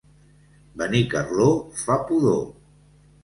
Benicarló fa pudor.